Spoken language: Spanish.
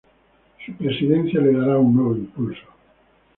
Su presidencia le dará un nuevo impulso.